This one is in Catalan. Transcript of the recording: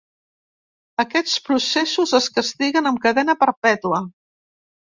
Aquests processos es castiguen amb cadena perpètua.